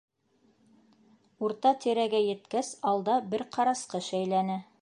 Урта тирәгә еткәс, алда бер ҡарасҡы шәйләне.